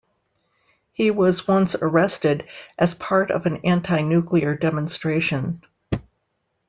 He was once arrested as part of an anti-nuclear demonstration.